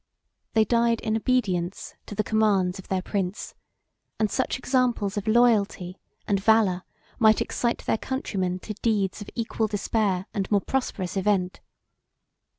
They died in obedience to the commands of their prince; and such examples of loyalty and valor might excite their countrymen to deeds of equal despair and more prosperous event.